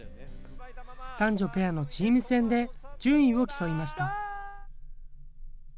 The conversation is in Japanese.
男女ペアのチーム戦で順位を競いました。